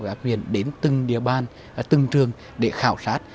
và áp quyền đến từng địa bàn từng trường để khảo sát